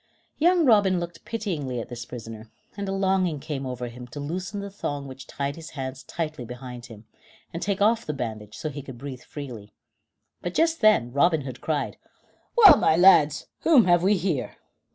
Young Robin looked pityingly at this prisoner, and a longing came over him to loosen the thong which tied his hands tightly behind him, and take off the bandage so that he could breathe freely, but just then Robin Hood cried: "Well, my lads, whom have we here?"